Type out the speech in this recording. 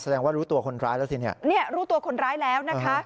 แสดงว่ารู้ตัวคนร้ายแล้วสิเนี่ยรู้ตัวคนร้ายแล้วนะคะ